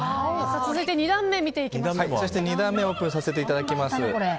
続いて２段目オープンさせていただきます。